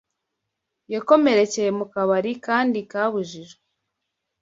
Yakomerekeye mu kabari kandi kabujijwe